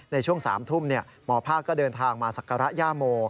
ในช่วง๓ทุ่มหมอภาคก็เดินทางมาศักระย่าโม